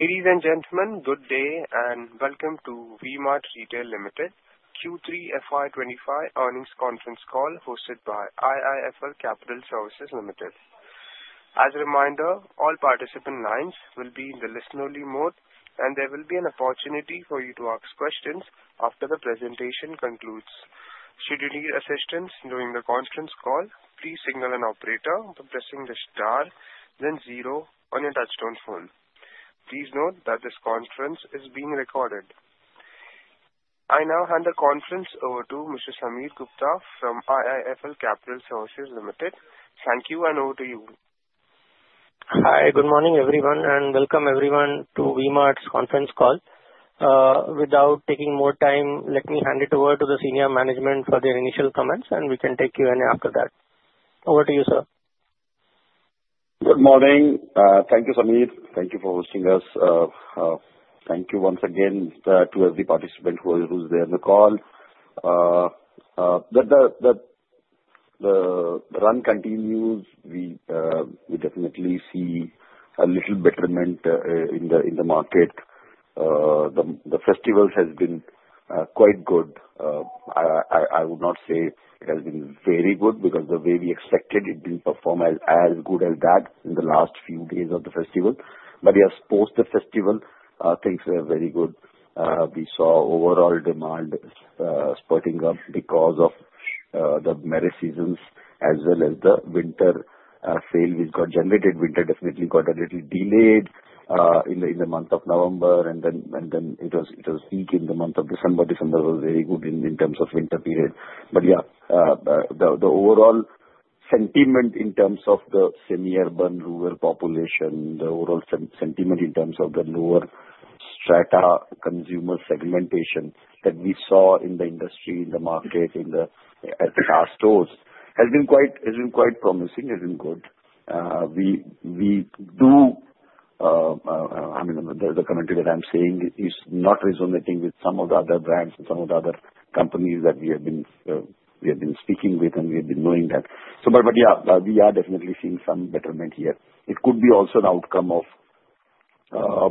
Ladies and gentlemen, good day, and welcome to V-Mart Retail Ltd Q3 FY 2025 earnings conference call hosted by IIFL Capital Services Ltd. As a reminder, all participant lines will be in the listen-only mode and there will be an opportunity for you to ask questions after the presentation concludes. Should you need assistance during the conference call, please signal an operator by pressing the star then zero on your touch-tone phone. Please note that this conference is being recorded. I now hand the conference over to Mr. Sameer Gupta from IIFL Capital Services Ltd. Thank you, and over to you. Hi, good morning everyone and welcome everyone to V-Mart's conference call. Without taking more time, let me hand it over to the senior management for their initial comments and we can take Q&A after that. Over to you, sir. Good morning. Thank you, Sameer. Thank you for hosting us. Thank you once again to every participant who is there in the call. The run continues, we definitely see a little betterment in the market. The festival has been quite good. I would not say it has been very good because the way we expected it didn't perform as good as that in the last few days of the festival. But yes, post the festival, things were very good. We saw overall demand spurt because of the marriage seasons as well as the winter sale which got generated. Winter definitely got a little delayed in the month of November and then it was weak in the month of December. December was very good in terms of winter period. Yeah, the overall sentiment in terms of the semi-urban, rural population, the overall sentiment in terms of the lower strata consumer segmentation that we saw in the industry, in the market, at the last stores has been quite promising, has been good. We do, I mean, the commentary that I'm saying is not resonating with some of the other brands and some of the other companies that we have been speaking with and we have been knowing that. So, but yeah, we are definitely seeing some betterment here. It could be also an outcome of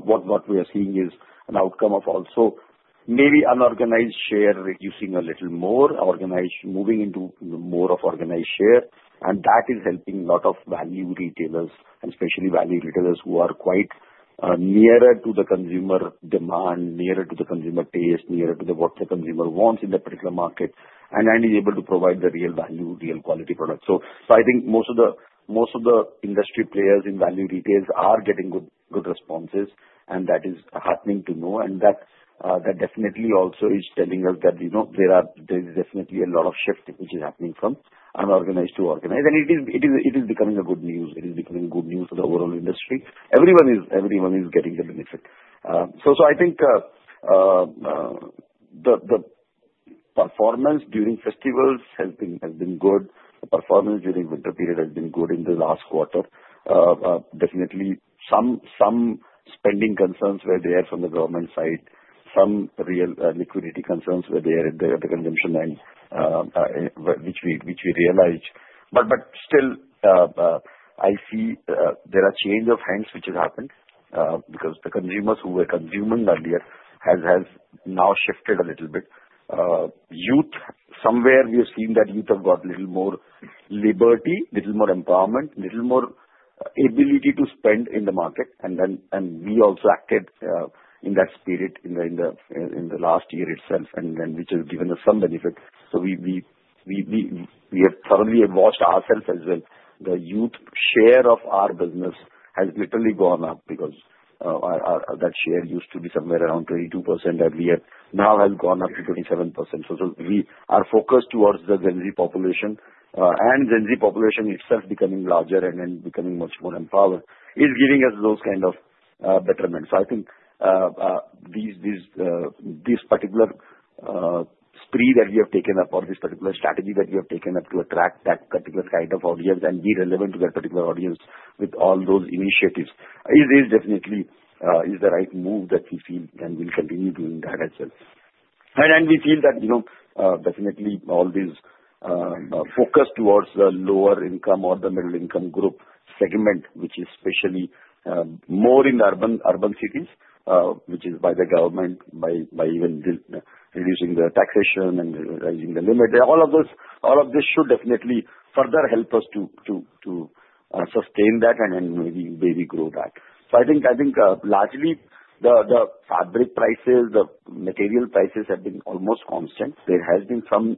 what we are seeing which is an outcome of also maybe unorganized share reducing a little more, organized moving into more of organized share, and that is helping a lot of value retailers and especially value retailers who are quite nearer to the consumer demand, nearer to the consumer taste, nearer to what the consumer wants in that particular market, and is able to provide the real value, real quality products. So I think most of the industry players in value retail are getting good responses and that is heartening to know and that definitely also is telling us that, you know, there is definitely a lot of shift which is happening from unorganized to organized and it is becoming good news. It is becoming good news for the overall industry. Everyone is getting the benefit, so I think the performance during festivals has been good. The performance during winter period has been good in the last quarter. Definitely some spending concerns were there from the government side, some real liquidity concerns were there at the consumption end, which we realized, but still I see there are change of hands which has happened because the consumers who were consuming earlier has now shifted a little bit. Youth somewhere we have seen that youth have got a little more liberty, little more empowerment, little more ability to spend in the market, and we also acted in that spirit in the last year itself and which has given us some benefit. So we have suddenly watched ourselves as well. The youth share of our business has literally gone up because our that share used to be somewhere around 22% that we have now has gone up to 27%. We are focused towards the Gen Z population and Gen Z population itself becoming larger and then becoming much more empowered is giving us those kind of betterment. I think this particular spree that we have taken up or this particular strategy that we have taken up to attract that particular kind of audience and be relevant to that particular audience with all those initiatives is definitely the right move that we feel and will continue doing that as well. We feel that, you know, definitely all these focus towards the lower income or the middle income group segment which is especially more in urban cities which is by the government by even reducing the taxation and raising the limit. All of those, all of this should definitely further help us to sustain that and maybe grow that. I think largely the fabric prices, the material prices have been almost constant. There has been some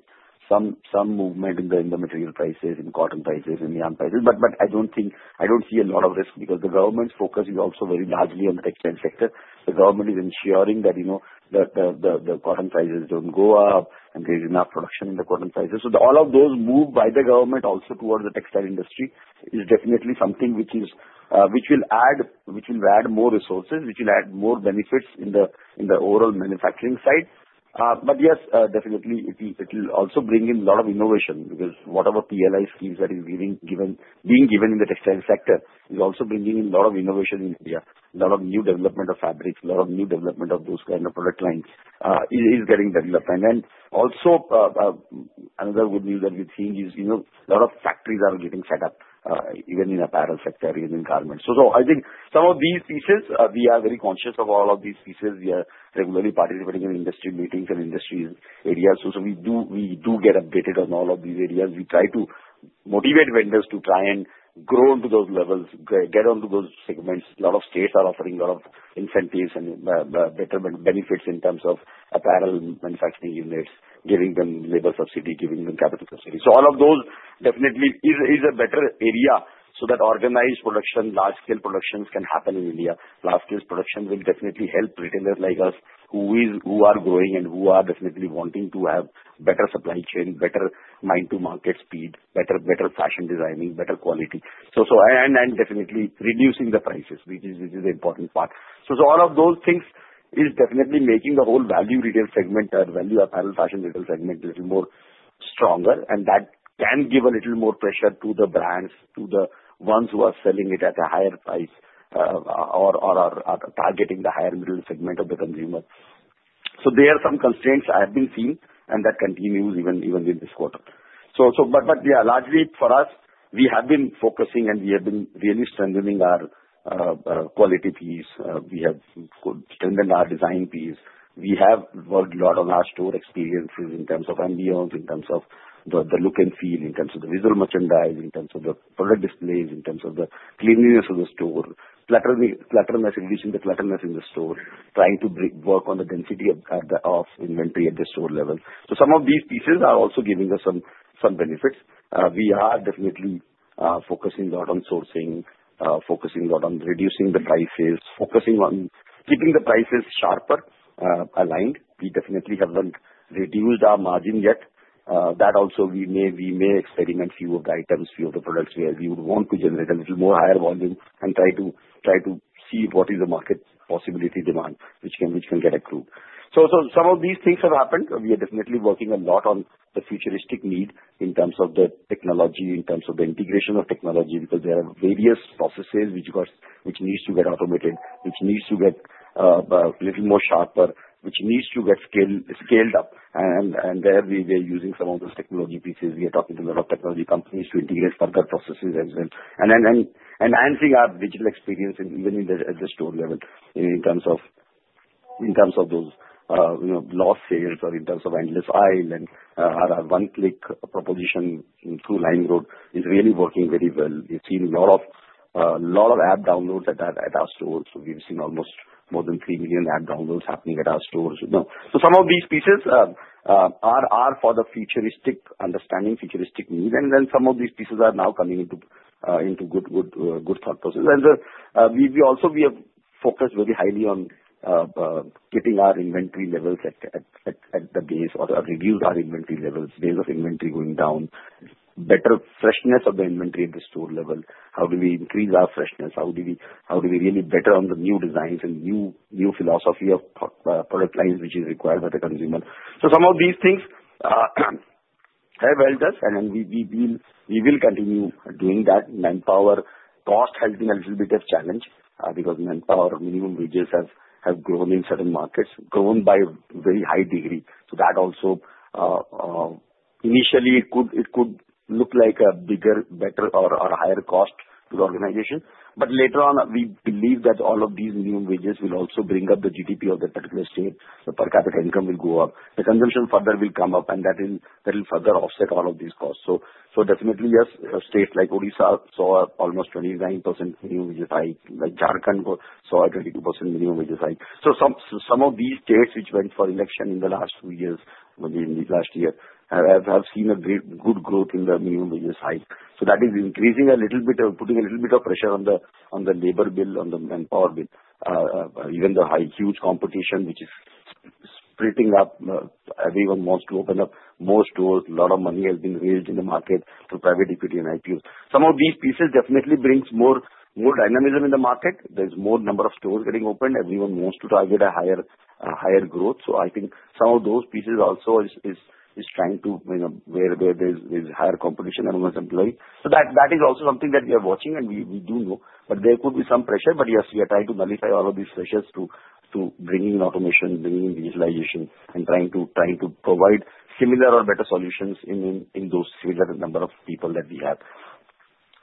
movement in the material prices, in cotton prices, in nylon prices, but I don't think. I don't see a lot of risk because the government's focus is also very largely on the textile sector. The government is ensuring that, you know, the cotton prices don't go up and there's enough production in the cotton prices. So all of those moved by the government also towards the textile industry is definitely something which will add more resources which will add more benefits in the overall manufacturing side. But yes, definitely it will also bring in a lot of innovation because whatever PLI schemes that is being given in the textile sector is also bringing in a lot of innovation in India, a lot of new development of fabrics, a lot of new development of those kind of product lines is getting developed. And then also, another good news that we're seeing is, you know, a lot of factories are getting set up, even in apparel sector, even in garments. So I think some of these pieces, we are very conscious of all of these pieces we are regularly participating in industry meetings and industry areas. So we do get updated on all of these areas. We try to motivate vendors to try and grow into those levels, get onto those segments. A lot of states are offering a lot of incentives and betterment benefits in terms of apparel manufacturing units, giving them labor subsidy, giving them capital subsidy so all of those definitely is a better area so that organized production, large-scale productions can happen in India. Large-scale production will definitely help retailers like us who are growing and who are definitely wanting to have better supply chain, better mind-to-market speed, better fashion designing, better quality so and definitely reducing the prices, which is the important part. So all of those things is definitely making the whole value retail segment, value apparel fashion retail segment a little more stronger, and that can give a little more pressure to the brands, to the ones who are selling it at a higher price, or are targeting the higher middle segment of the consumer. So there are some constraints I have been seeing and that continues even in this quarter. So, but yeah, largely for us, we have been focusing and we have been really strengthening our quality piece. We have strengthened our design piece. We have worked a lot on our store experiences in terms of ambiance, in terms of the, the look and feel, in terms of the visual merchandising, in terms of the product displays, in terms of the cleanliness of the store, clutterless, reducing the clutter levels in the store, trying to work on the density of, of inventory at the store level. So some of these pieces are also giving us some, some benefits. We are definitely focusing a lot on sourcing, focusing a lot on reducing the prices, focusing on keeping the prices sharper, aligned. We definitely haven't reduced our margin yet. That also we may, we may experiment a few of the items a few of the products where we would want to generate a little more higher volume and try to, try to see what is the market possibility demand, which can, which can get accrued. Some of these things have happened. We are definitely working a lot on the futuristic need in terms of the technology, in terms of the integration of technology, because there are various processes which needs to get automated, which needs to get a little more sharper, which needs to get scaled up and there we were using some of those technology pieces. We are talking to a lot of technology companies to integrate further processes as well and enhancing our digital experience even in the at the store level in terms of those, you know, lost sales or in terms of endless aisle and our one-click proposition through LimeRoad is really working very well. We've seen a lot of app downloads at our stores. We've seen almost more than 3 million app downloads happening to our stores. You know, so some of these pieces are for the futuristic understanding, futuristic need, and then some of these pieces are now coming into good thought processes and we also have focused very highly on getting our inventory levels at the base or reduce our inventory levels, base of inventory going down, better freshness of the inventory at the store level. How do we increase our freshness? How do we really better on the new designs and new philosophy of product lines which is required by the consumer? So some of these things have helped us and then we will continue doing that. Manpower cost has been a little bit of challenge because manpower minimum wages have grown in certain markets, grown by a very high degree. So that also, initially it could look like a bigger, better, or higher cost to the organization. But later on, we believe that all of these minimum wages will also bring up the GDP of that particular state, the per capita income will go up. The consumption further will come up and that will further offset all of these costs. So definitely yes, states like Odisha saw almost 29% minimum wages hike like Jharkhand saw a 22% minimum wages hike. So some of these states which went for election in the last two years, in the last year, have seen a great good growth in the minimum wages hike. So that is increasing a little bit of putting a little bit of pressure on the labor bill on the manpower bill. Even the high huge competition which is splitting up, everyone wants to open up more stores. A lot of money has been raised in the market through private equity and IPOs. Some of these pieces definitely brings more dynamism in the market. There's more number of stores getting opened everyone wants to target a higher growth so I think some of those pieces also is trying to, you know, there's higher competition among employees so that is also something that we are watching and we do know, but there could be some pressure. But yes, we are trying to nullify all of these pressures to bringing automation, bringing digitalization, and trying to provide similar or better solutions in those similar number of people that we have.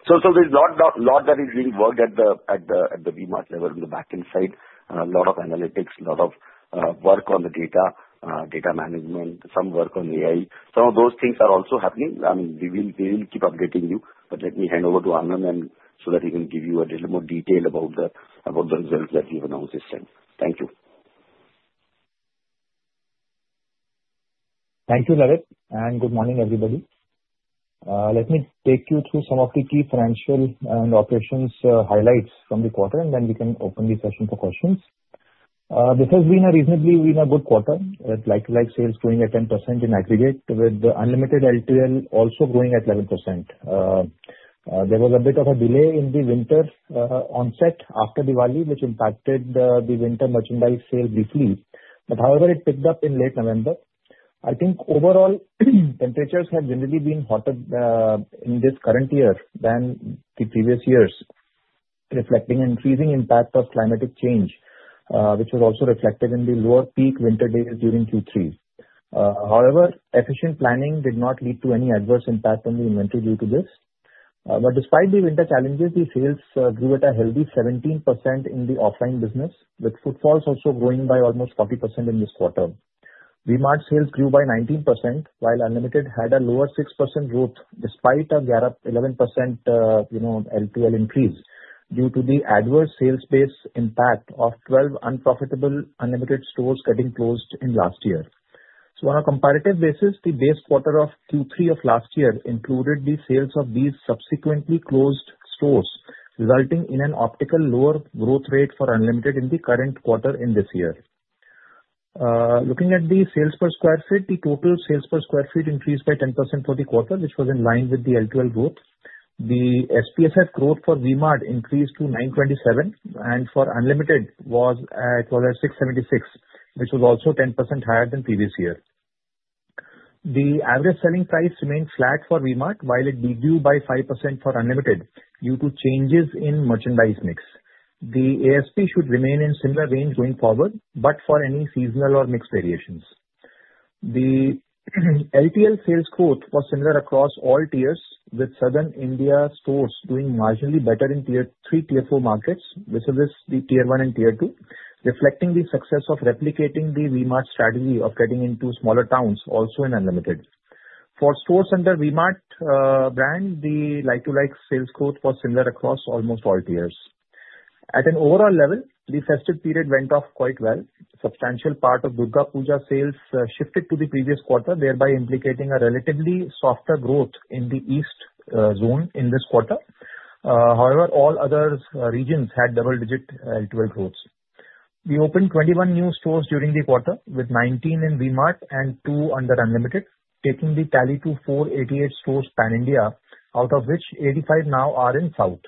So there's a lot that is being worked at the V-Mart level in the backend side. A lot of analytics, a lot of work on the data, data management, some work on AI. Some of those things are also happening. I mean, we will keep updating you but let me hand over to Anand and so that he can give you a little more detail about the results that we've announced this time. Thank you. Thank you, Lalit, and good morning everybody. Let me take you through some of the key financial and operations highlights from the quarter and then we can open the session for questions. This has been a reasonably good quarter with like-to-like sales growing at 10% in aggregate with the Unlimited LTL also growing at 11%. There was a bit of a delay in the winter onset after Diwali which impacted the winter merchandise sale briefly but however it picked up in late November. I think overall temperatures have generally been hotter in this current year than the previous years, reflecting an increasing impact of climate change which was also reflected in the lower peak winter days during Q3. However, efficient planning did not lead to any adverse impact on the inventory due to this. But despite the winter challenges, the sales grew at a healthy 17% in the offline business with footfalls also growing by almost 40% in this quarter. V-Mart sales grew by 19% while Unlimited had a lower 6% growth despite a 11%, you know, LTL increase due to the adverse sales base impact of 12 unprofitable Unlimited stores getting closed in last year. So on a comparative basis, the base quarter of Q3 of last year included the sales of these subsequently closed stores, resulting in an apparent lower growth rate for Unlimited in the current quarter in this year. Looking at the sales per square foot, the total sales per square foot increased by 10% for the quarter which was in line with the LTL growth. The SPSF growth for V-Mart increased to 927 and for Unlimited it was at 676 which was also 10% higher than previous year. The average selling price remained flat for V-Mart while it grew by 5% for Unlimited due to changes in merchandise mix. The ASP should remain in similar range going forward but for any seasonal or mixed variations. The LTL sales growth was similar across all tiers with South India stores doing marginally better in tier three, tier four markets, unlike the tier one and tier two reflecting the success of replicating the V-Mart strategy of getting into smaller towns also in Unlimited. For stores under V-Mart brand, the like-to-like sales growth was similar across almost all tiers. At an overall level, the festive period went off quite well. A substantial part of Durga Puja sales shifted to the previous quarter, thereby implicating a relatively softer growth in the east zone in this quarter. However, all other regions had double-digit LTL growth. We opened 21 new stores during the quarter with 19 in V-Mart and two under Unlimited, taking the tally to 488 stores pan India, out of which 85 now are in South.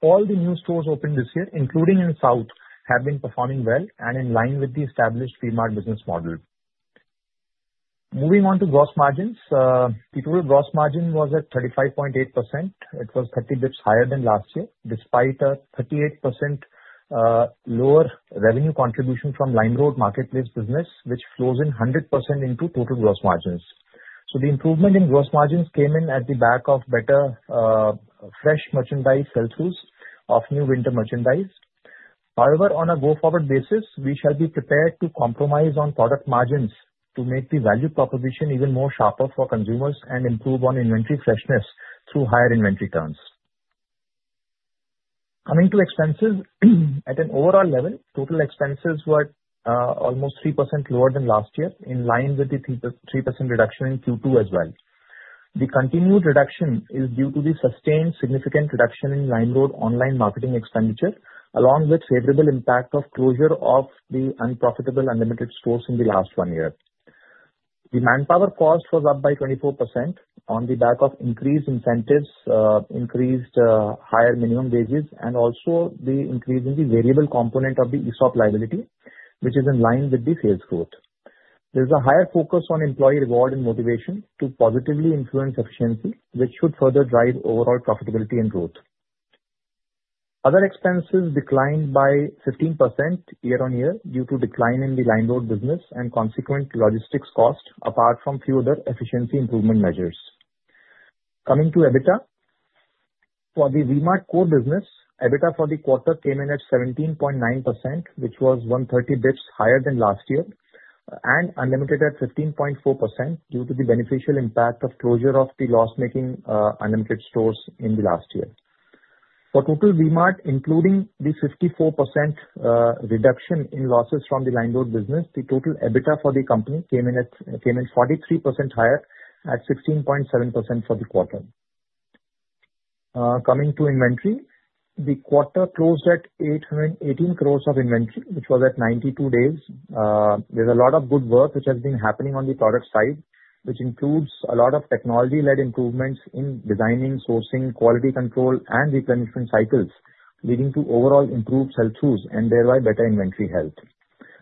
All the new stores opened this year, including in South, have been performing well and in line with the established V-Mart business model. Moving on to gross margins, the total gross margin was at 35.8%. It was 30 basis points higher than last year despite a 38% lower revenue contribution from LimeRoad marketplace business, which flows in 100% into total gross margins. So the improvement in gross margins came in at the back of better, fresh merchandise sales of new winter merchandise. However, on a go-forward basis, we shall be prepared to compromise on product margins to make the value proposition even more sharper for consumers and improve on inventory freshness through higher inventory turns. Coming to expenses, at an overall level, total expenses were almost 3% lower than last year in line with the 3% reduction in Q2 as well. The continued reduction is due to the sustained significant reduction in LimeRoad online marketing expenditure, along with favorable impact of closure of the unprofitable Unlimited stores in the last one year. The manpower cost was up by 24% on the back of increased incentives, higher minimum wages, and also the increase in the variable component of the ESOP liability, which is in line with the sales growth. There's a higher focus on employee reward and motivation to positively influence efficiency, which should further drive overall profitability and growth. Other expenses declined by 15% year-on-year due to decline in the LimeRoad business and consequent logistics cost apart from few other efficiency improvement measures. Coming to EBITDA for the V-Mart core business, EBITDA for the quarter came in at 17.9%, which was 130 basis points higher than last year, and Unlimited at 15.4% due to the beneficial impact of closure of the loss-making Unlimited stores in the last year. For total V-Mart, including the 54% reduction in losses from the LimeRoad business, the total EBITDA for the company came in at 43% higher at 16.7% for the quarter. Coming to inventory, the quarter closed at 818 crore of inventory, which was at 92 days. There's a lot of good work which has been happening on the product side, which includes a lot of technology-led improvements in designing, sourcing, quality control, and replenishment cycles, leading to overall improved sales and thereby better inventory health.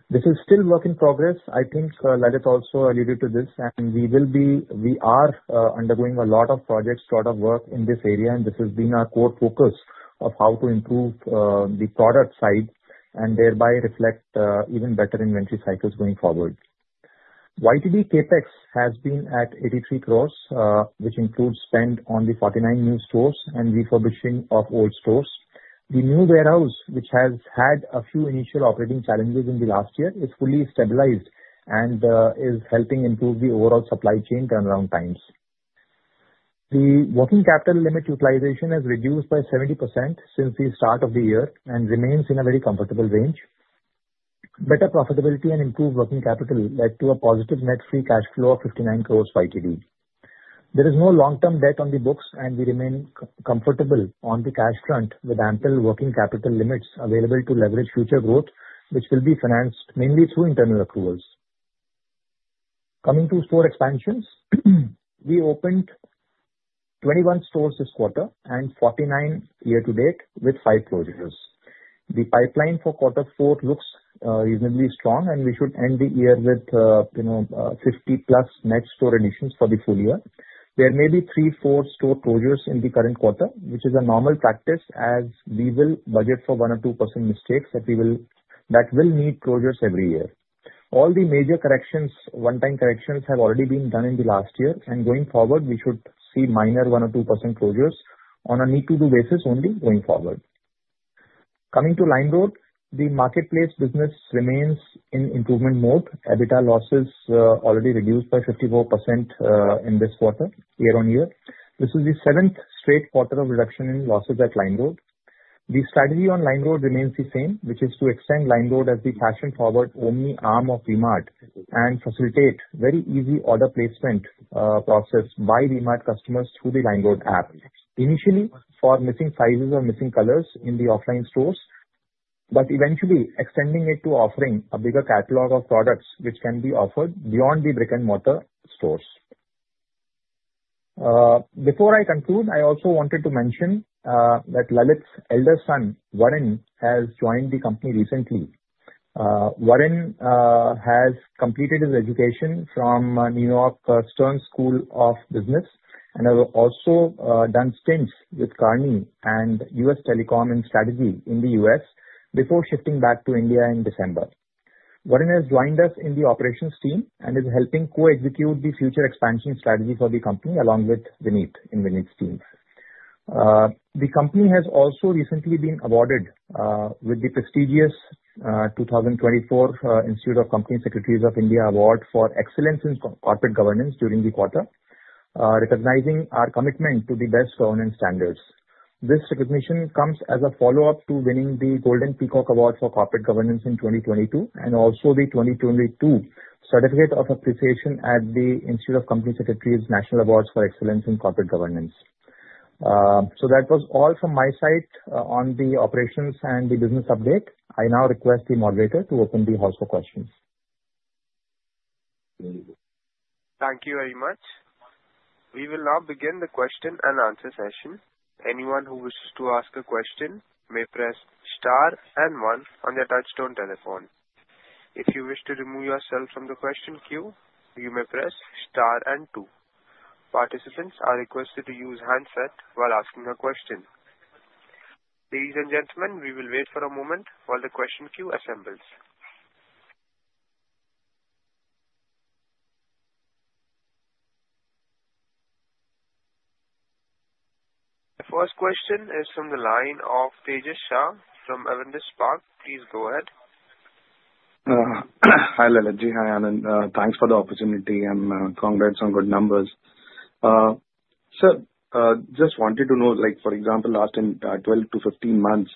This is still work in progress. I think Lalit also alluded to this, and we will be, we are, undergoing a lot of projects, a lot of work in this area, and this has been our core focus of how to improve, the product side and thereby reflect, even better inventory cycles going forward. YTD CapEx has been at 83 crore, which includes spend on the 49 new stores and refurbishing of old stores. The new warehouse, which has had a few initial operating challenges in the last year, is fully stabilized and, is helping improve the overall supply chain turnaround times. The working capital limit utilization has reduced by 70% since the start of the year and remains in a very comfortable range. Better profitability and improved working capital led to a positive net free cash flow of 59 crore YTD. There is no long-term debt on the books, and we remain comfortable on the cash front with ample working capital limits available to leverage future growth, which will be financed mainly through internal accruals. Coming to store expansions, we opened 21 stores this quarter and 49 year to date with five closures. The pipeline for quarter four looks reasonably strong, and we should end the year with you know 50+ net store additions for the full year. There may be three, four store closures in the current quarter, which is a normal practice as we will budget for 1% or 2% mistakes that will need closures every year. All the major corrections, one-time corrections have already been done in the last year, and going forward, we should see minor 1% or 2% closures on a need-to-do basis only going forward. Coming to LimeRoad, the marketplace business remains in improvement mode. EBITDA losses already reduced by 54%, in this quarter year-on-year. This is the seventh straight quarter of reduction in losses at LimeRoad. The strategy on LimeRoad remains the same, which is to extend LimeRoad as the fashion forward only arm of V-Mart and facilitate very easy order placement, process by V-Mart customers through the LimeRoad app. Initially, for missing sizes or missing colors in the offline stores, but eventually extending it to offering a bigger catalog of products which can be offered beyond the brick and mortar stores. Before I conclude, I also wanted to mention, that Lalit's elder son, Varin, has joined the company recently. Varin has completed his education from New York Stern School of Business and has also done stints with Kearney and U.S. Telecom and Strategy in the U.S. before shifting back to India in December. Varin has joined us in the operations team and is helping co-execute the future expansion strategy for the company along with Vineet in Vineet's team. The company has also recently been awarded with the prestigious 2024 Institute of Company Secretaries of India award for excellence in corporate governance during the quarter, recognizing our commitment to the best governance standards. This recognition comes as a follow-up to winning the Golden Peacock award for corporate governance in 2022 and also the 2022 Certificate of Appreciation at the Institute of Company Secretaries National Awards for Excellence in Corporate Governance. That was all from my side on the operations and the business update. I now request the moderator to open the floor for questions. Thank you very much. We will now begin the question and answer session. Anyone who wishes to ask a question may press star and one on their touchtone telephone. If you wish to remove yourself from the question queue, you may press star and two. Participants are requested to use handset while asking a question. Ladies and gentlemen, we will wait for a moment while the question queue assembles. The first question is from the line of Tejas Shah from Avendus Spark, please go ahead. Hi Lalitji, hi Anand. Thanks for the opportunity and congrats on good numbers. Sir, just wanted to know, like, for example, last 12-15 months,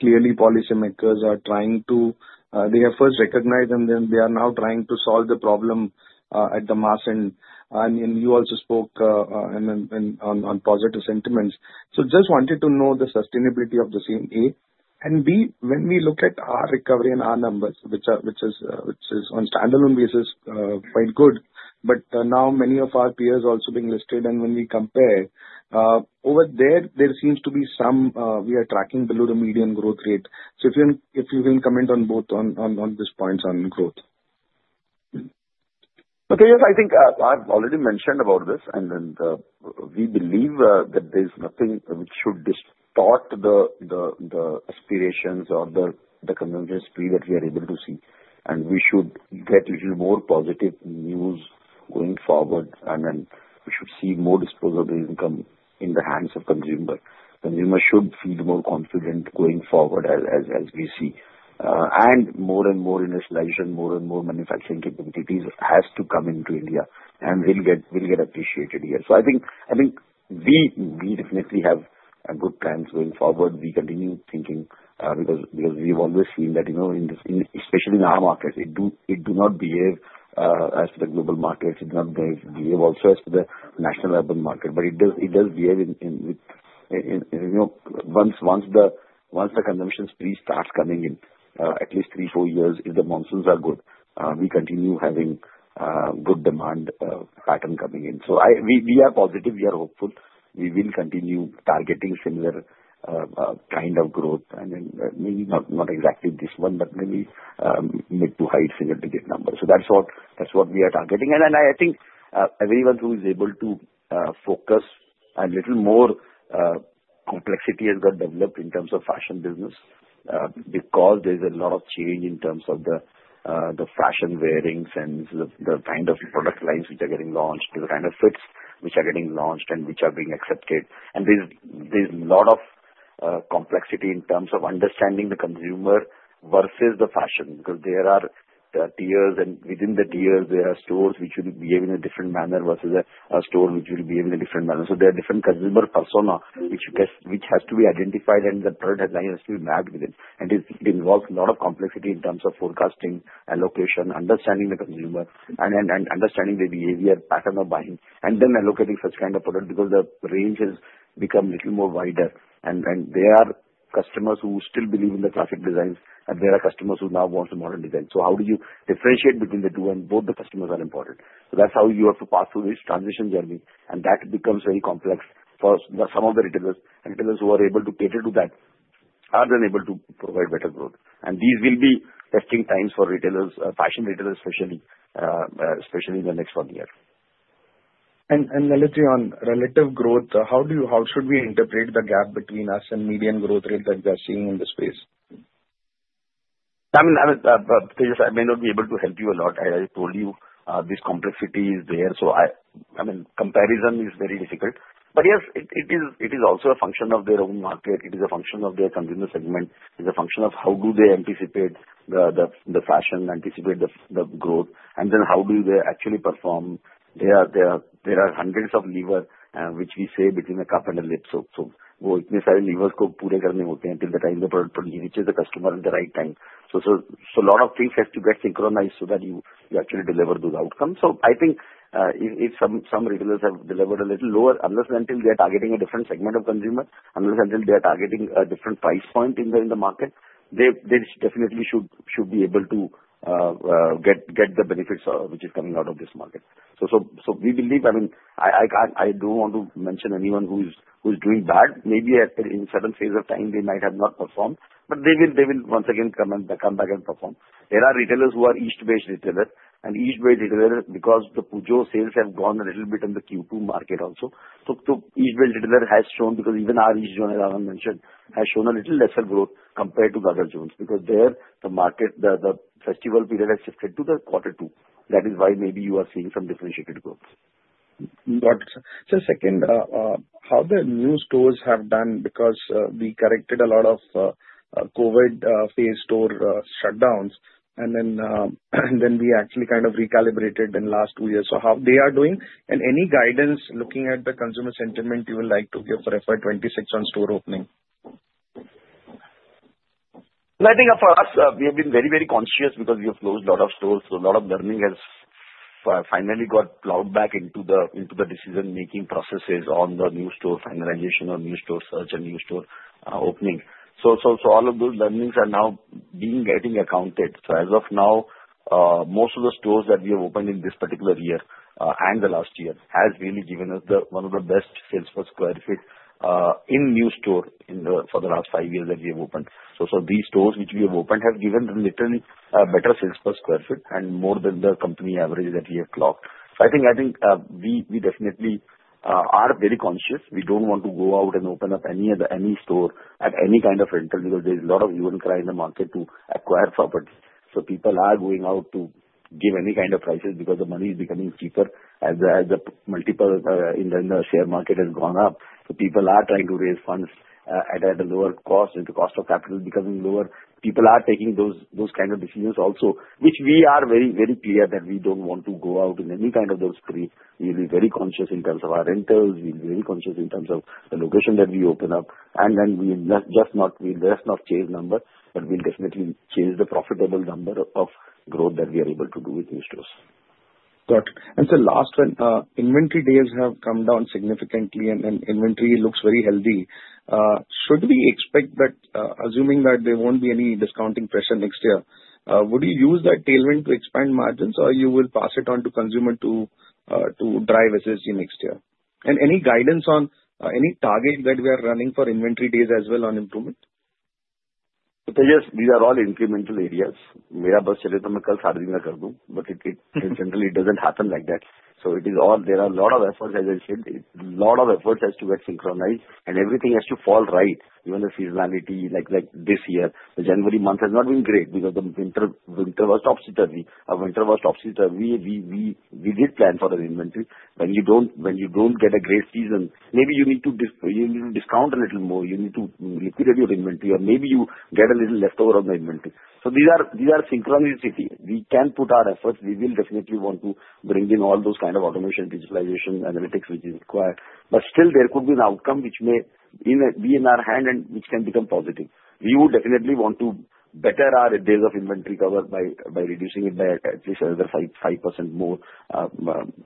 clearly policy makers are trying to, they have first recognized and then they are now trying to solve the problem at the mass and you also spoke on positive sentiments. So just wanted to know the sustainability of the same A and B, when we look at our recovery and our numbers, which is on standalone basis, quite good, but now many of our peers also being listed. And when we compare, over there, there seems to be some, we are tracking below the median growth rate. So if you can comment on both of these points on growth. Okay, yes, I think I've already mentioned about this and then we believe that there's nothing which should distort the aspirations or the consumption spree that we are able to see and we should get a little more positive news going forward and then we should see more disposable income in the hands of consumer. Consumer should feel more confident going forward as we see and more and more industrialization, more and more manufacturing capabilities has to come into India and will get appreciated here. I think we definitely have good plans going forward. We continue thinking because we've always seen that, you know, in this, especially in our markets, it do not behave as to the global markets. It does not behave also as to the national urban market, but it does behave in, you know, once the consumption spree starts coming in, at least three, four years if the monsoons are good, we continue having good demand pattern coming in. We are positive. We are hopeful. We will continue targeting similar kind of growth and then maybe not exactly this one, but maybe mid to high single digit numbers. So that's what we are targeting and then I think everyone who is able to focus a little more. Complexity has got developed in terms of fashion business because there's a lot of change in terms of the fashion wearings and the kind of product lines which are getting launched, the kind of fits which are getting launched and which are being accepted and there's a lot of complexity in terms of understanding the consumer versus the fashion because there are tiers and within the tiers, there are stores which will behave in a different manner versus a store which will behave in a different manner so there are different consumer persona which has to be identified and the product has to be mapped within. It involves a lot of complexity in terms of forecasting, allocation, understanding the consumer and understanding the behavior pattern of buying and then allocating such kind of product because the range has become a little more wider and there are customers who still believe in the classic designs and there are customers who now want the modern design so how do you differentiate between the two and both the customers are important? So that's how you have to past through this transition journey. And that becomes very complex for some of the retailers and retailers who are able to cater to that are then able to provide better growth. And these will be testing times for retailers, fashion retailers especially, especially in the next one year. Lalit, on relative growth, how should we interpret the gap between us and median growth rate that we are seeing in the space? I mean, Tejas, I may not be able to help you a lot. I told you, this complexity is there. So, I mean, comparison is very difficult. But yes, it is also a function of their own market. It is a function of their consumer segment. It is a function of how they anticipate the fashion, the growth, and then how they actually perform. There are hundreds of levers, as they say between the cup and the lip. So, well, it means many levers go awry, they are going to go wrong until the time the product reaches the customer at the right time. So, a lot of things have to get synchronized so that you actually deliver those outcomes. I think if some retailers have delivered a little lower unless until they are targeting a different segment of consumer, unless until they are targeting a different price point in the market, they definitely should be able to get the benefits which is coming out of this market. We believe, I mean, I can't, I don't want to mention anyone who's doing bad. Maybe in certain phase of time, they might have not performed, but they will once again come back and perform. There are retailers who are East-based retailers because the Pujo sales have gone a little bit in the Q2 market also. East-based retailer has shown because even our East zone, as Anand mentioned, has shown a little lesser growth compared to the other zones because there the market, the festival period has shifted to Q2. That is why maybe you are seeing some differentiated growth. Got it, sir. So, second, how the new stores have done because we corrected a lot of COVID phase store shutdowns and then we actually kind of recalibrated in the last two years. So how they are doing and any guidance looking at the consumer sentiment you would like to give for FY 2026 on store opening? I think for us, we have been very, very conscious because we have closed a lot of stores. A lot of learning has finally got plowed back into the decision-making processes on the new store finalization or new store search and new store opening. All of those learnings are now being getting accounted. As of now, most of the stores that we have opened in this particular year and the last year have really given us one of the best sales per square foot in new stores in the last five years that we have opened. These stores which we have opened have given literally a better sales per square foot and more than the company average that we have clocked. I think we definitely are very conscious. We don't want to go out and open up any other any store at any kind of rental because there's a lot of euphoria in the market to acquire property so people are going out to give any kind of prices because the money is becoming cheaper as the multiples in the share market has gone up. So people are trying to raise funds at a lower cost and the cost of capital becoming lower. People are taking those kind of decisions also, which we are very, very clear that we don't want to go out in any kind of those spree. We will be very conscious in terms of our rentals. We'll be very conscious in terms of the location that we open up. Then we just won't change number, but we'll definitely change the profitable number of growth that we are able to do with new stores. Got it. So last one, inventory days have come down significantly and inventory looks very healthy. Should we expect that, assuming that there won't be any discounting pressure next year, would you use that tailwind to expand margins or you will pass it on to consumer to drive SSSG next year? And any guidance on any target that we are running for inventory days as well on improvement? Okay, yes, these are all incremental areas. If I have my way I would make it tomorrow, but it, it generally doesn't happen like that. So it is all, there are a lot of efforts, as I said, a lot of efforts has to get synchronized and everything has to fall right. Even the seasonality, like this year, the January month has not been great because the winter, winter was topsy-turvy. Our winter was topsy-turvy. We did plan for our inventory. When you don't get a great season, maybe you need to discount a little more. You need to liquidate your inventory or maybe you get a little leftover on the inventory. So these are, these are synchronicity. We can put our efforts. We will definitely want to bring in all those kind of automation, digitalization, analytics, which is required. But still there could be an outcome which may be in our hand and which can become positive. We would definitely want to better our days of inventory cover by reducing it by at least another 5% more,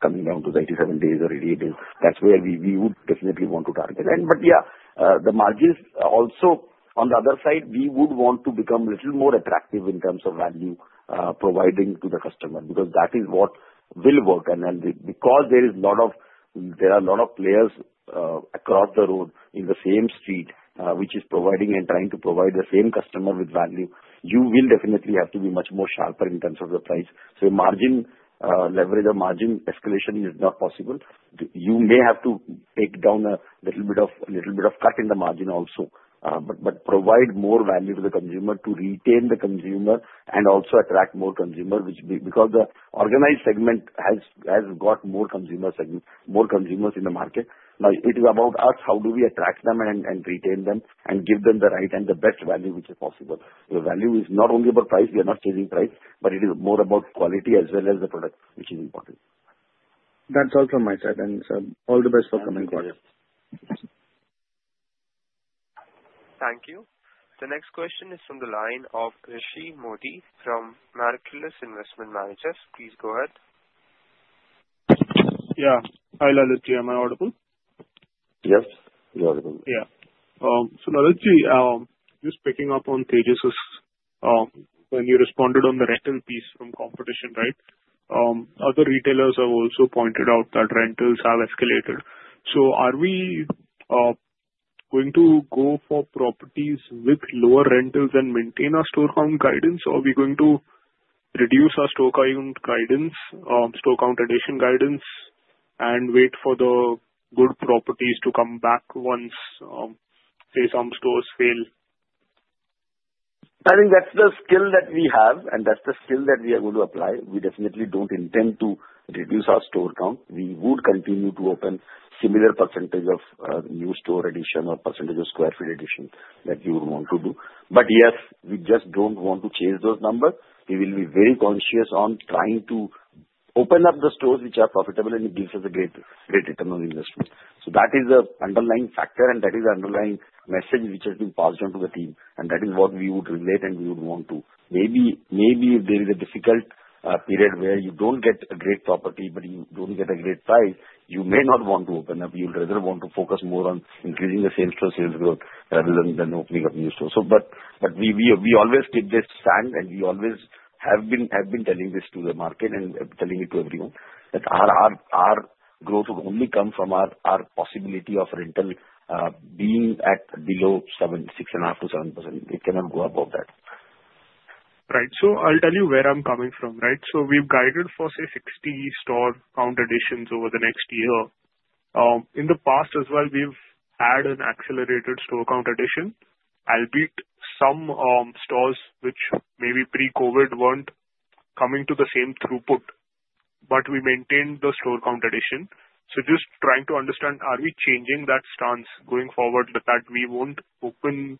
coming down to 87 days or 88 days. That's where we would definitely want to target. But yeah, the margins also on the other side, we would want to become a little more attractive in terms of value, providing to the customer because that is what will work. And then because there are a lot of players across the road in the same street, which is providing and trying to provide the same customer with value, you will definitely have to be much more sharper in terms of the price. So margin leverage or margin escalation is not possible. You may have to take down a little bit of cut in the margin also, but provide more value to the consumer to retain the consumer and also attract more consumer, which because the organized segment has got more consumer segment, more consumers in the market. Now it is about us, how do we attract them and retain them and give them the right and the best value which is possible. The value is not only about price, we are not chasing price, but it is more about quality as well as the product, which is important. That's all from my side, and all the best for coming quarter. Thank you. The next question is from the line of Rishi Mody from Marcellus Investment Managers, please go ahead. Yeah. Hi Lalit, am I audible? Yes, you're audible. Yeah. So Lalit, just picking up on Tejas's, when you responded on the rental piece from competition, right? Other retailers have also pointed out that rentals have escalated. So are we going to go for properties with lower rentals and maintain our store count guidance or are we going to reduce our store count guidance, store count addition guidance and wait for the good properties to come back once, say some stores fail? I think that's the skill that we have and that's the skill that we are going to apply we definitely don't intend to reduce our store count. We would continue to open similar percentage of new store addition or percentage of square feet addition that you would want to do. But yes, we just don't want to chase those numbers. We will be very conscious on trying to open up the stores which are profitable and it gives us a great, great return on investment. So that is the underlying factor, and that is the underlying message which has been passed on to the team. And that is what we would relate, and we would want to. Maybe, maybe if there is a difficult period where you don't get a great property, but you don't get a great price, you may not want to open up. You'll rather want to focus more on increasing the sales to sales growth rather than opening up new stores. We always keep this stance and we always have been telling this to the market and telling it to everyone that our growth would only come from our possibility of rental being at below 7%, 6.5%-7%. It cannot go above that. Right. So I'll tell you where I'm coming from, right? So we've guided for, say, 60 store count additions over the next year. In the past as well, we've had an accelerated store count addition, albeit some stores which maybe pre-COVID weren't coming to the same throughput, but we maintained the store count addition. So just trying to understand, are we changing that stance going forward that we won't open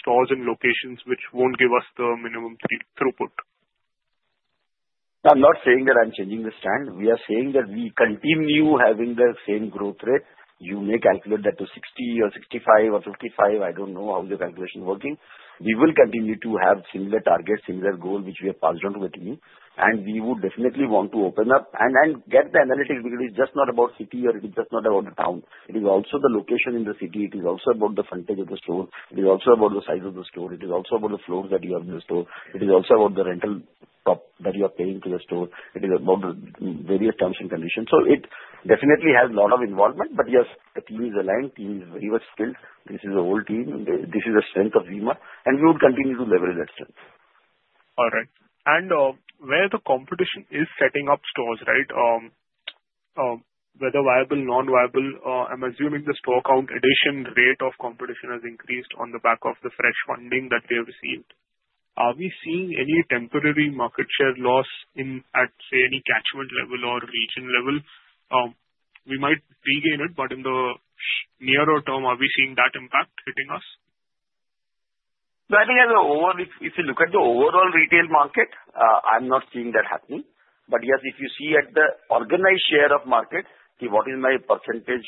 stores in locations which won't give us the minimum throughput? I'm not saying that I'm changing the stance, we are saying that we continue having the same growth rate. You may calculate that to 60 or 65 or 55. I don't know how the calculation is working. We will continue to have similar targets, similar goal which we have passed on to the team and we would definitely want to open up and, and get the analytics because it's just not about city or it is just not about the town. It is also the location in the city. It is also about the frontage of the store. It is also about the size of the store. It is also about the floors that you have in the store. It is also about the rental prop that you are paying to the store. It is about the various terms and conditions. So it definitely has a lot of involvement, but yes, the team is aligned. The team is very well skilled. This is a whole team. This is a strength of V-Mart, and we would continue to leverage that strength. All right. Where the competition is setting up stores, right? Whether viable, non-viable, I'm assuming the store count addition rate of competition has increased on the back of the fresh funding that they have received. Are we seeing any temporary market share loss in, at say, any catchment level or region level? We might regain it, but in the nearer term, are we seeing that impact hitting us? So I think as a overall, if you look at the overall retail market, I'm not seeing that happening. But yes, if you see at the organized share of market, see what is my percentage,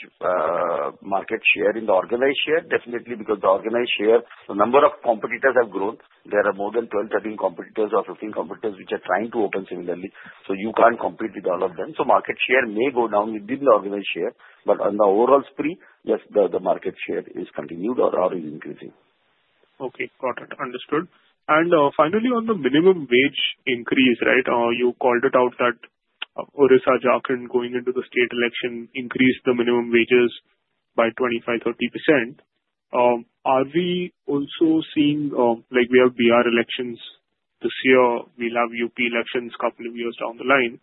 market share in the organized share, definitely because the organized share, the number of competitors have grown. There are more than 12, 13 competitors or 15 competitors which are trying to open similarly. So you can't compete with all of them. So market share may go down within the organized share, but on the overall spree, yes, the market share is continued or is increasing. Okay. Got it. Understood. And, finally, on the minimum wage increase, right? You called it out that Odisha, Jharkhand going into the state election increased the minimum wages by 25%-30%. Are we also seeing, like we have Bihar elections this year, we'll have U.P. elections a couple of years down the line.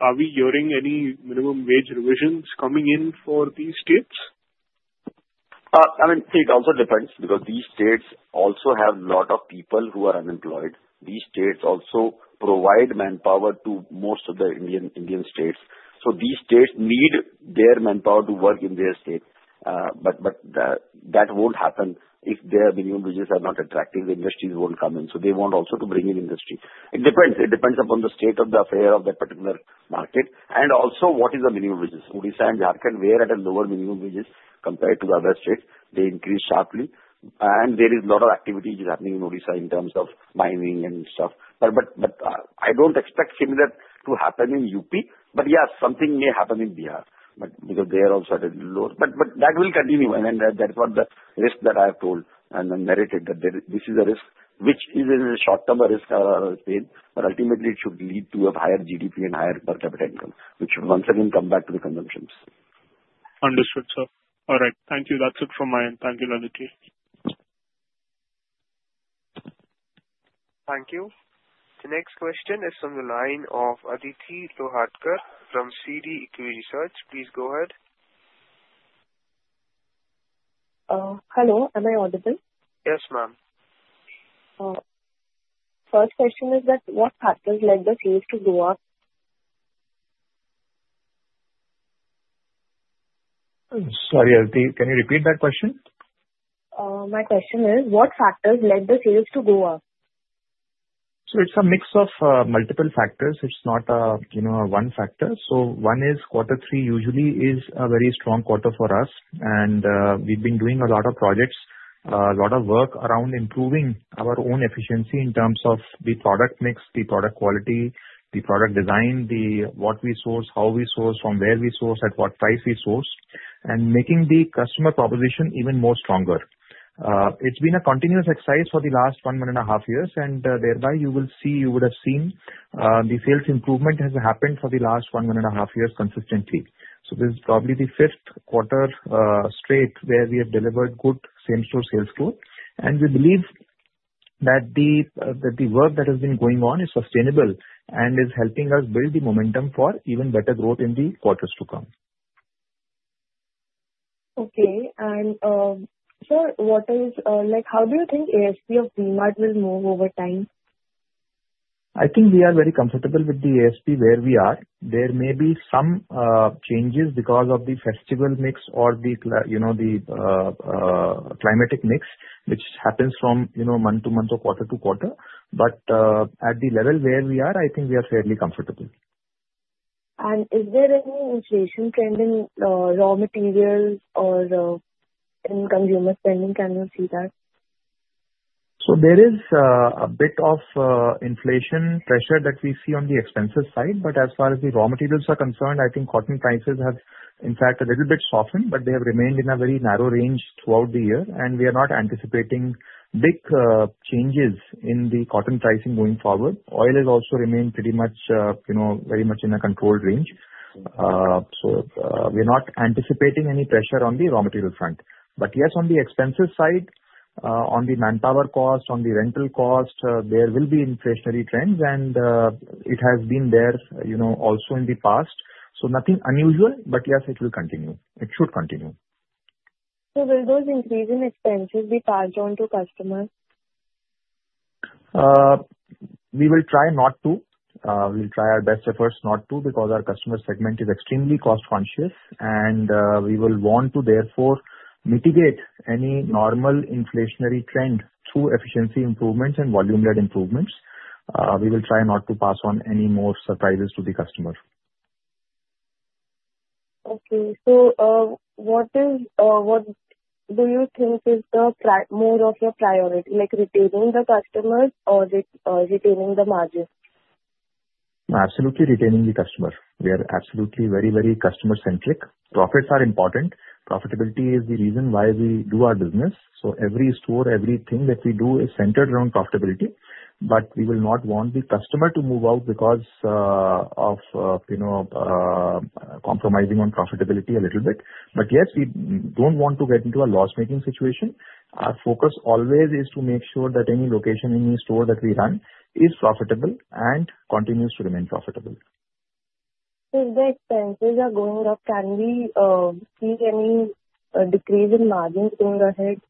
Are we hearing any minimum wage revisions coming in for these states? I mean, it also depends because these states also have a lot of people who are unemployed. These states also provide manpower to most of the Indian states so these states need their manpower to work in their state. But that won't happen if their minimum wages are not attractive, the industries won't come in. So they want also to bring in industry. It depends. It depends upon the state of affairs of that particular market and also what is the minimum wages. Odisha and Jharkhand, where at a lower minimum wages compared to other states, they increased sharply and there is a lot of activity which is happening in Odisha in terms of mining and stuff. But I don't expect similar to happen in U.P., but yes, something may happen in Bihar, but because they are also at a lower. That will continue, and then that is what the risk that I have told and then narrated. That this is a risk which is in the short term a risk, pain, but ultimately it should lead to a higher GDP and higher per capita income, which should once again come back to the consumption. Understood, sir. All right. Thank you. That's it from my end. Thank you, Lalit. Thank you. The next question is from the line of Aditi Loharuka from CD Equisearch, please go ahead. Hello. Am I audible? Yes, ma'am. First question is that what factors led the sales to go up? I'm sorry, Aditi. Can you repeat that question? My question is what factors led the sales to go up? So it's a mix of multiple factors. It's not a, you know, a one factor. So one is Q3 usually is a very strong quarter for us and we've been doing a lot of projects, a lot of work around improving our own efficiency in terms of the product mix, the product quality, the product design, the what we source, how we source, from where we source, at what price we source, and making the customer proposition even more stronger. It's been a continuous exercise for the last one and a half years, and thereby you will see, you would have seen, the sales improvement has happened for the last one and a half years consistently. So this is probably the fifth quarter straight where we have delivered good same-store sales growth. We believe that the work that has been going on is sustainable and is helping us build the momentum for even better growth in the quarters to come. Okay. And, sir, what is, like, how do you think ASP of V-Mart will move over time? I think we are very comfortable with the ASP where we are. There may be some changes because of the festival mix or the, you know, climatic mix, which happens from, you know, month-to-month or quarter-to-quarter. But at the level where we are, I think we are fairly comfortable. Is there any inflation trend in raw materials or in consumer spending? Can you see that? So there is a bit of inflation pressure that we see on the expense side but as far as the raw materials are concerned, I think cotton prices have in fact a little bit softened, but they have remained in a very narrow range throughout the year and we are not anticipating big changes in the cotton pricing going forward. Oil has also remained pretty much you know very much in a controlled range. So we are not anticipating any pressure on the raw material front. But yes, on the expense side, on the manpower cost, on the rental cost, there will be inflationary trends, and it has been there you know also in the past. So nothing unusual, but yes, it will continue. It should continue. So will those increasing expenses be passed on to customers? We will try not to. We'll try our best efforts not to because our customer segment is extremely cost-conscious, and, we will want to therefore mitigate any normal inflationary trend through efficiency improvements and volume-led improvements. We will try not to pass on any more surprises to the customer. Okay. So, what do you think is the primary of your priority, like retaining the customers or retaining the margins? Absolutely, retaining the customers. We are absolutely very, very customer-centric. Profits are important. Profitability is the reason why we do our business. So every store, everything that we do is centered around profitability. But we will not want the customer to move out because of, you know, compromising on profitability a little bit. But yes, we don't want to get into a loss-making situation. Our focus always is to make sure that any location, any store that we run is profitable and continues to remain profitable. If the expenses are going up, can we see any decrease in margins going ahead?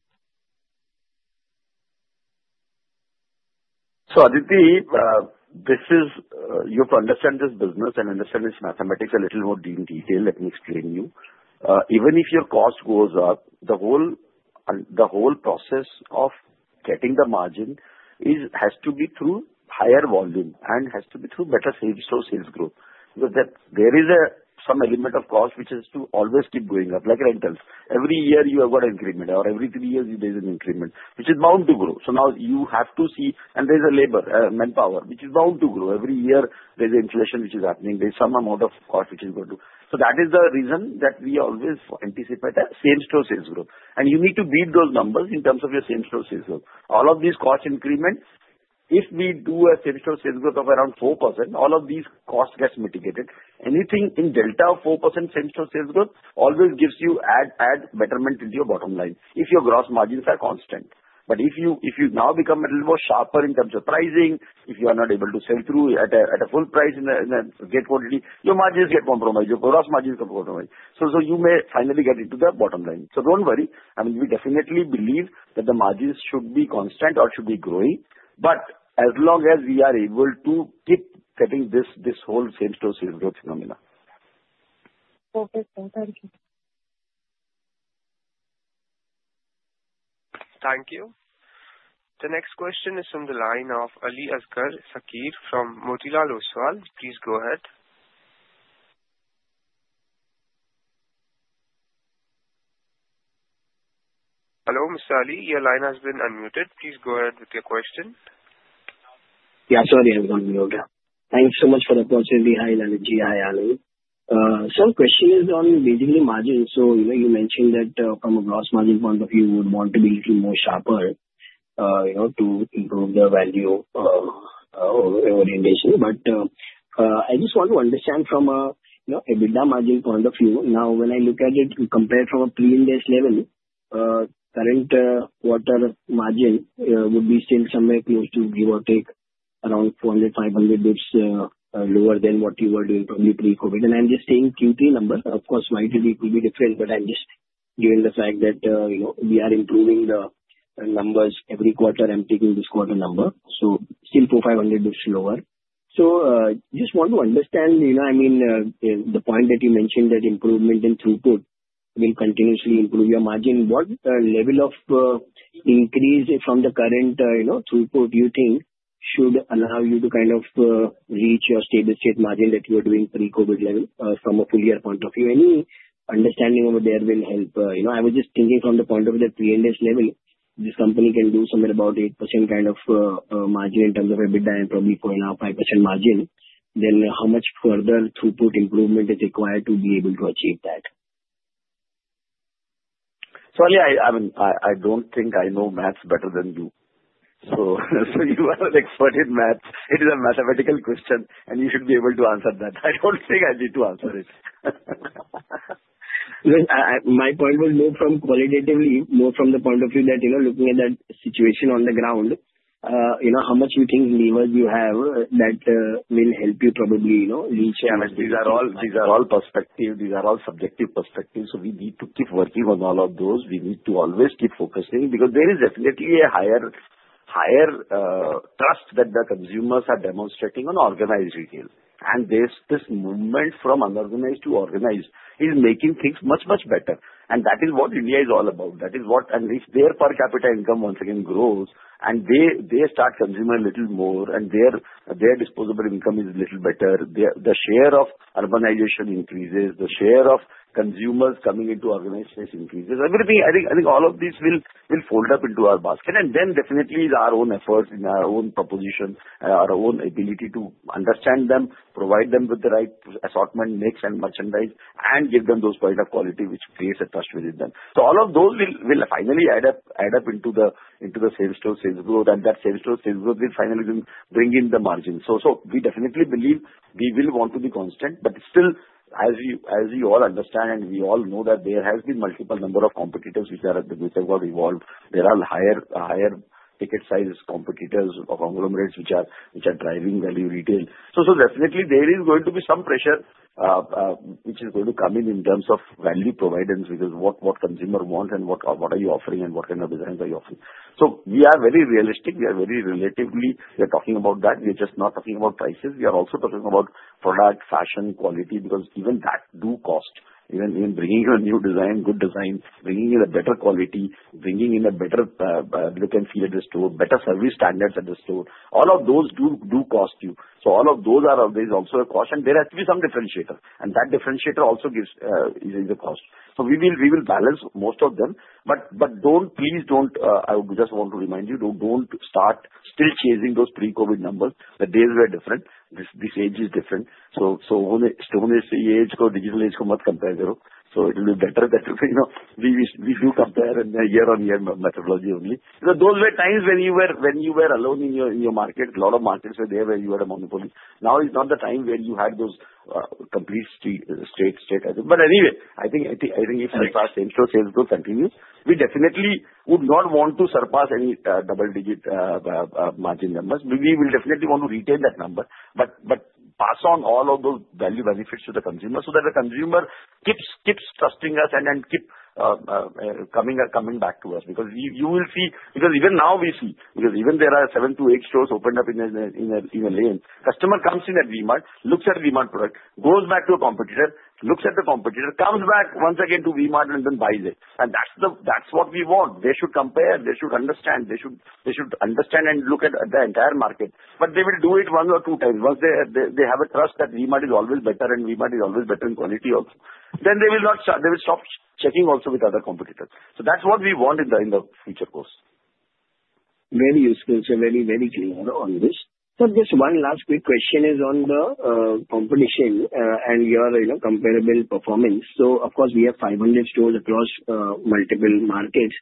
So Aditi, this is. You have to understand this business and understand its mathematics a little more in detail. Let me explain to you. Even if your cost goes up, the whole, the whole process of getting the margin has to be through higher volume and has to be through better sales or sales growth because there is some element of cost which has to always keep going up, like rentals. Every year you have got an increment, or every three years there's an increment, which is bound to grow. So now you have to see, and there's a labor, manpower, which is bound to grow. Every year there's inflation which is happening. There's some amount of cost which is going to. So that is the reason that we always anticipate a same-store sales growth. You need to beat those numbers in terms of your same-store sales growth. All of these cost increments, if we do a same-store sales growth of around 4%, all of these costs get mitigated. Anything in delta of 4% same-store sales growth always gives you add, add betterment into your bottom line if your gross margins are constant. But if you, if you now become a little more sharper in terms of pricing, if you are not able to sell through at a, at a full price in the, in the gate, your margins get compromised, your gross margins get compromised. So, so you may finally get into the bottom line. So don't worry. I mean, we definitely believe that the margins should be constant or should be growing, but as long as we are able to keep getting this, this whole same-store sales growth phenomena. Okay. Thank you. Thank you. The next question is from the line of Aliasgar Shakir from Motilal Oswal, please go ahead. Hello, Mr. Ali. Your line has been unmuted, please go ahead with your question. Yeah. Sorry, I was on mute. Thanks so much for the question. Hi, Lalitji. I'm, Ali. So the question is on basically margins. So, you know, you mentioned that, from a gross margin point of view, you would want to be a little more sharper, you know, to improve the value, orientation. But, I just want to understand from a, you know, EBITDA margin point of view. Now, when I look at it, compared from a pre-IndAS level, current EBITDA margin, would be still somewhere close to, give or take, around 400 basis points-500 basis points, lower than what you were doing probably pre-COVID. And I'm just saying Q3 number. Of course, YTD could be different, but I'm just given the fact that, you know, we are improving the numbers every quarter. I'm taking this quarter number. So still 400 basis points-500 basis points lower. So, just want to understand, you know, I mean, the point that you mentioned that improvement in throughput will continuously improve your margin. What level of increase from the current, you know, throughput do you think should allow you to kind of reach your stable state margin that you were doing pre-COVID level, from a full year point of view? Any understanding over there will help. You know, I was just thinking from the point of view of the pre-IndAS level, this company can do somewhere about 8% kind of margin in terms of EBITDA and probably 0.5% margin. Then how much further throughput improvement is required to be able to achieve that? Sorry, I mean, I don't think I know math better than you. So you are an expert in math. It is a mathematical question, and you should be able to answer that. I don't think I need to answer it. Look, I, my point was more from qualitatively, more from the point of view that, you know, looking at that situation on the ground, you know, how much you think levers you have that will help you probably, you know, reach. I mean, these are all, these are all perspectives. These are all subjective perspectives so we need to keep working on all of those. We need to always keep focusing because there is definitely a higher, higher, trust that the consumers are demonstrating on organized retail and this, this movement from unorganized to organized is making things much, much better and that is what India is all about. That is what, and if their per capita income once again grows and they, they start consuming a little more and their, their disposable income is a little better, the share of urbanization increases, the share of consumers coming into organized space increases. Everything, I think, I think all of these will, will fold up into our basket. And then definitely our own efforts and our own proposition, our own ability to understand them, provide them with the right assortment, mix, and merchandise, and give them those point of quality which creates a trust within them. So all of those will finally add up into the same-store sales growth and that same-store sales growth will finally bring in the margin so we definitely believe we will want to be constant, but still, as you all understand, and we all know that there has been multiple number of competitors which have got evolved. There are higher ticket size competitors of conglomerates which are driving value retail. Definitely there is going to be some pressure which is going to come in terms of value proposition because what consumer wants and what are you offering and what kind of designs are you offering. We are very realistic, we are talking about that. We are just not talking about prices. We are also talking about product fashion quality because even that do cost. Even bringing you a new design, good design, bringing in a better quality, bringing in a better look and feel at the store, better service standards at the store, all of those do cost you. All of those are always also a caution. There has to be some differentiator and that differentiator is a cost. We will balance most of them. But don't please don't. I would just want to remind you, don't start still chasing those pre-COVID numbers. The days were different. This age is different. So only still only stone age or digital age to must compare though. So it will be better that, you know, we do compare year-on-year methodology only. So those were times when you were alone in your market a lot of markets were there where you had a monopoly. Now is not the time where you had those complete state. But anyway, I think if we pass same-store sales growth continues, we definitely would not want to surpass any double-digit margin numbers. We will definitely want to retain that number, but pass on all of those value benefits to the consumer so that the consumer keeps trusting us and keep coming back to us. Because you will see, because even now we see, even there are seven to eight stores opened up in a lane. Customer comes in at V-Mart, looks at V-Mart product, goes back to a competitor, looks at the competitor, comes back once again to V-Mart and then buys it. And that's what we want. They should compare. They should understand. They should understand and look at the entire market but they will do it 1x or 2x. Once they have a trust that V-Mart is always better and V-Mart is always better in quality also, then they will stop checking also with other competitors. So that's what we want in the future course. Very useful, sir. Many, many clear on this. So just one last quick question is on the competition and your, you know, comparable performance. So of course we have 500 stores across multiple markets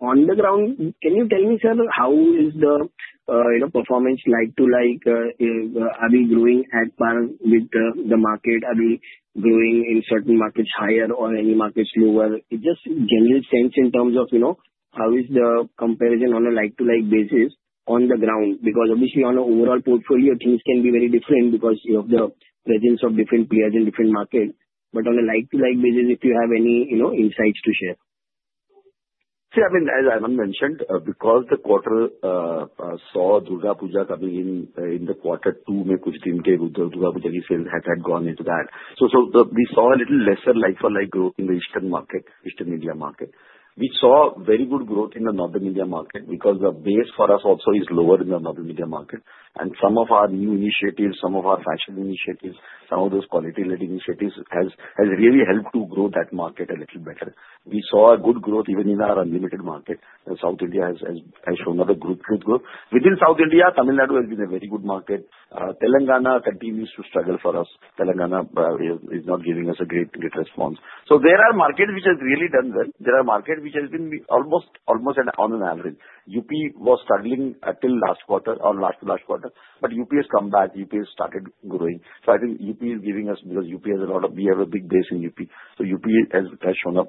on the ground. Can you tell me, sir, how is the, you know, performance like-to-like? Are we growing at par with the market? Are we growing in certain markets higher or any markets lower? Just general sense in terms of, you know, how is the comparison on a like-to-like basis on the ground? Because obviously on an overall portfolio, things can be very different because of the presence of different players in different markets. But on a like-to-like basis, if you have any, you know, insights to share. See, I mean, as I mentioned, because the quarter saw Durga Puja coming in in the quarter too. The Durga Puja sales had gone into that. So, we saw a little lesser like-for-like growth in the Eastern market, Eastern India market. We saw very good growth in the Northern India market because the base for us also is lower in the Northern India market. And some of our new initiatives, some of our fashion initiatives, some of those quality-led initiatives has really helped to grow that market a little better. We saw a good growth even in our Unlimited market. South India has shown a good growth. Within South India, Tamil Nadu has been a very good market. Telangana continues to struggle for us. Telangana is not giving us a great response. So there are markets which have really done well. There are markets which have been almost on an average. U.P. was struggling until last quarter or last quarter, but U.P. has come back. U.P. has started growing. So I think U.P. is giving us because U.P. has a lot of, we have a big base in U.P. So U.P. has shown up.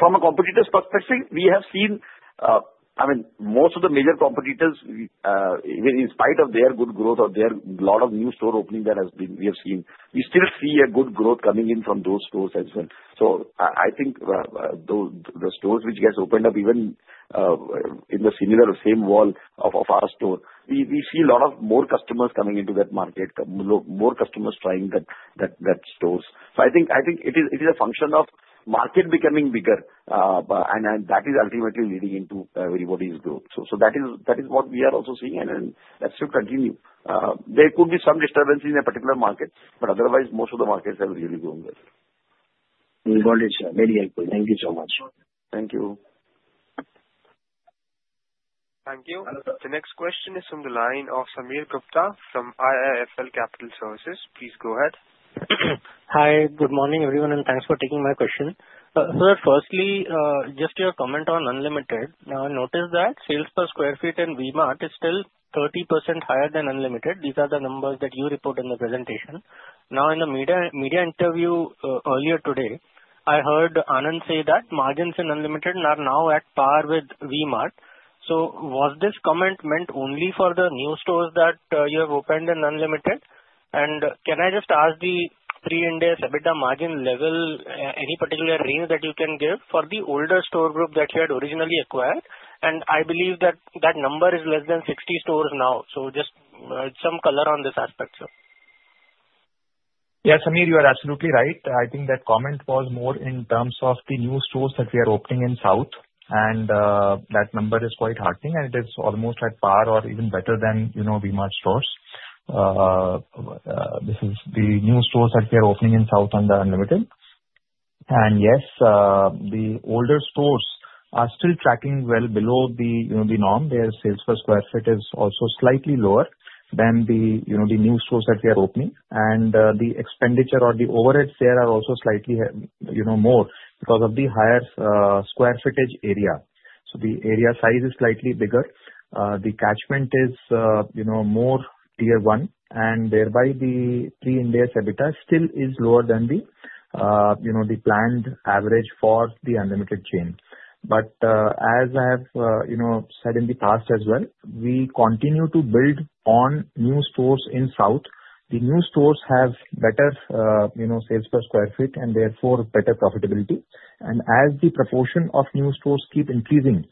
From a competitor's perspective, we have seen, I mean, most of the major competitors, even in spite of their good growth or their lot of new store opening that has been, we have seen, we still see a good growth coming in from those stores as well. So I think those stores which get opened up even in the similar same mall of our store, we see a lot more customers coming into that market, more customers trying those stores. So I think it is a function of market becoming bigger, and that is ultimately leading into everybody's growth. So that is what we are also seeing, and that should continue. There could be some disturbances in a particular market, but otherwise most of the markets have really grown well. Got it, sir. Very helpful. Thank you so much. Thank you. Thank you. The next question is from the line of Sameer Gupta from IIFL Capital Services. Please go ahead. Hi, good morning everyone and thanks for taking my question. Sir, firstly, just your comment on Unlimited. Now, I noticed that sales per square feet in V-Mart is still 30% higher than Unlimited. These are the numbers that you report in the presentation. Now, in the media interview earlier today, I heard Anand say that margins in Unlimited are now at par with V-Mart. So was this comment meant only for the new stores that you have opened in Unlimited? And can I just ask the pre-IndAS EBITDA margin level, any particular range that you can give for the older store group that you had originally acquired? And I believe that that number is less than 60 stores now. So just some color on this aspect, sir. Yeah, Sameer, you are absolutely right. I think that comment was more in terms of the new stores that we are opening in South and that number is quite heartening and it is almost at par or even better than, you know, V-Mart stores. This is the new stores that we are opening in South under Unlimited. And yes, the older stores are still tracking well below the, you know, the norm. Their sales per square foot is also slightly lower than the, you know, the new stores that we are opening. And the expenditure or the overheads there are also slightly, you know, more because of the higher square footage area. So the area size is slightly bigger. The catchment is, you know, more tier one, and thereby the pre-IndAS EBITDA still is lower than the, you know, the planned average for the Unlimited chain. But, as I have, you know, said in the past as well, we continue to build on new stores in South. The new stores have better, you know, sales per square feet and therefore better profitability and as the proportion of new stores keep increasing,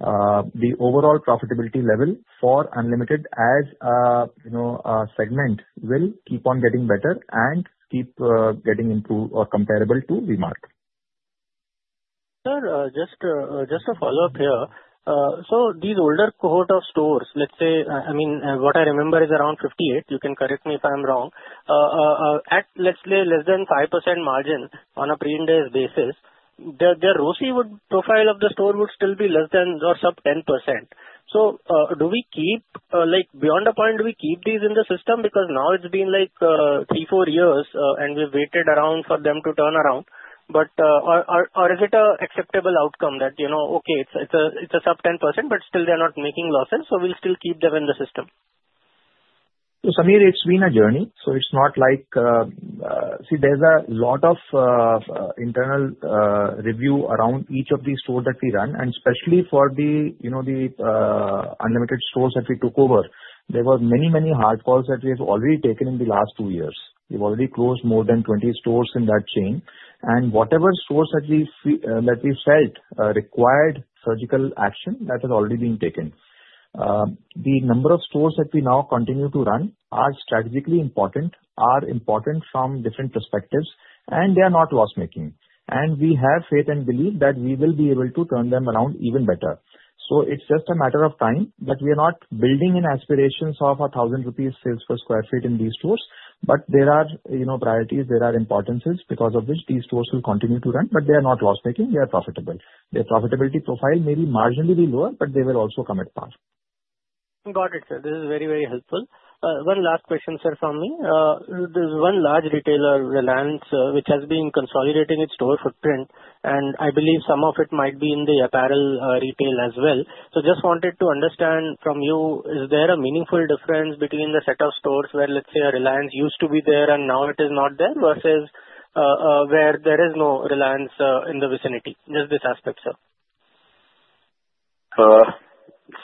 the overall profitability level for Unlimited as, you know, segment will keep on getting better and keep getting improved or comparable to V-Mart. Sir, just a follow-up here. So these older cohort of stores, let's say, I mean, what I remember is around 58. You can correct me if I'm wrong. At, let's say, less than 5% margin on a pre-IndAS basis, their ROCE profile of the store would still be less than or sub 10%. So, do we keep, like beyond a point, do we keep these in the system? Because now it's been like, three, four years, and we've waited around for them to turn around. But, or is it an acceptable outcome that, you know, okay, it's a sub 10%, but still they're not making losses, so we'll still keep them in the system? So Sameer, it's been a journey. So it's not like, see, there's a lot of internal review around each of these stores that we run and especially for the, you know, the Unlimited stores that we took over, there were many, many hard calls that we have already taken in the last two years. We've already closed more than 20 stores in that chain. And whatever stores that we feel, that we felt, required surgical action, that has already been taken. The number of stores that we now continue to run are strategically important, are important from different perspectives, and they are not loss-making. And we have faith and belief that we will be able to turn them around even better. So it's just a matter of time that we are not building in aspirations of a 1,000 rupees sales per square feet in these stores, but there are, you know, priorities, there are importances because of which these stores will continue to run, but they are not loss-making. They are profitable. Their profitability profile may be marginally lower, but they will also come at par. Got it, sir. This is very, very helpful. One last question, sir, from me. There's one large retailer, Reliance, which has been consolidating its store footprint, and I believe some of it might be in the apparel, retail as well. So just wanted to understand from you, is there a meaningful difference between the set of stores where, let's say, Reliance used to be there and now it is not there versus where there is no Reliance, in the vicinity? Just this aspect, sir.